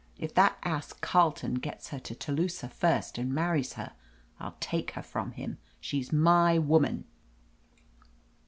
If that ass Carleton gets her to Telusah first and marries her, I'll take her from him. She's my woman."